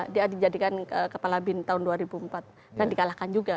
dia dijadikan kepala bin tahun dua ribu empat dan dikalahkan juga